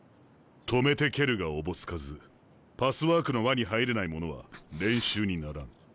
止めて蹴るがおぼつかずパスワークの輪に入れない者は練習にならん。